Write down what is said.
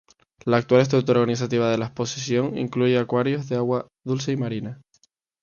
La actual estructura organizativa de la exposición incluye acuarios de agua dulce y marina.